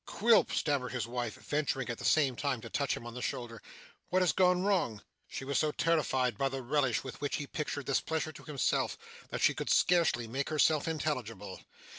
'Quilp!' stammered his wife, venturing at the same time to touch him on the shoulder: 'what has gone wrong?' She was so terrified by the relish with which he pictured this pleasure to himself that she could scarcely make herself intelligible.